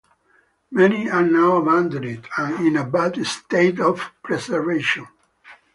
Many are now abandoned and in a bad state of preservation.